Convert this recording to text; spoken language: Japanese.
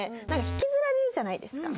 引きずられるじゃないですか。